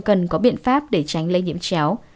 cần có biện pháp để tránh lây nhiễm chéo